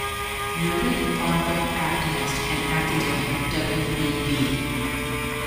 Noted author, activist, and academic W. E. B.